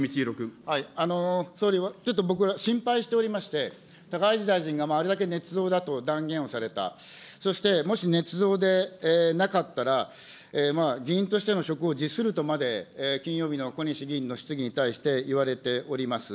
総理、ちょっと僕、心配しておりまして、高市大臣があれだけねつ造だと断言をされた、そしてもしねつ造でなかったら、議員としての職を辞するとまで、金曜日の小西議員の質疑に対して言われております。